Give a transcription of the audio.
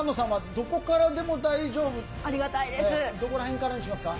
どこらへんからにしますか？